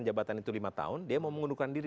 jabatan itu lima tahun dia mau mengundurkan diri